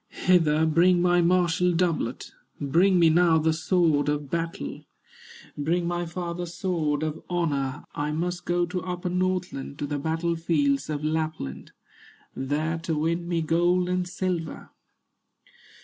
"Hither bring my martial doublet, Bring me now the sword of battle, Bring my father's sword of honor; I must go to upper Northland, To the battle fields of Lapland, There to win me gold and silver."